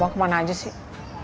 abang kemana aja sih